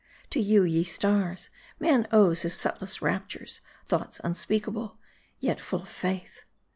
To you, ye stars, man owes his subtlest raptures, thoughts unspeakable, yet full of faith.